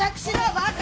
バカ！